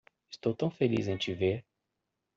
Estou tão feliz em te ver.